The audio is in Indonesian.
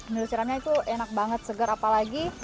milu siramnya itu enak banget segar apalagi